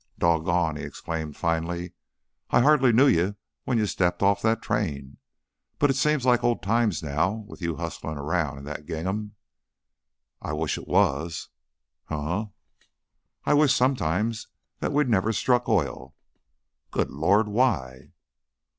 "Doggone!" he exclaimed, finally. "I hardly knew you when you stepped off that train, but it seems like old times now, with you hustlin' around in that gingham." "I wish it was." "Hunh?" "I wish, sometimes, that we'd never struck oil." "Good Lord! Why?"